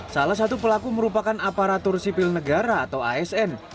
salah satu pelaku merupakan aparatur sipil negara atau asn